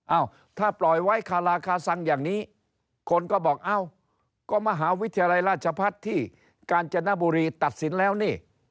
เอ้าถ้าปล่อยไว้คาราคาซังอย่างนี้คนก็บอกเอ้าก็มหาวิทยาลัยราชพัฒน์ที่กาญจนบุรีตัดสินแล้วนี่